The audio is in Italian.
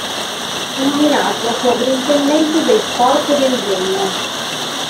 Fu nominato "Sovrintendente del Corpo del Genio".